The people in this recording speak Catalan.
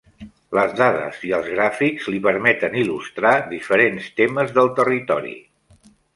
Les dades i els gràfics li permeten il·lustrar diferents temes del territori.